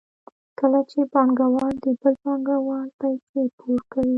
کله چې پانګوال د بل پانګوال پیسې پور کوي